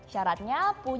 syaratnya punya pilihan